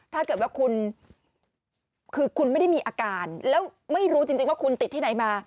ถ้าเกิดว่าคุณคือคุณไม่ได้มีอาการแล้วไม่รู้จริงว่าคุณติดที่ไหนมา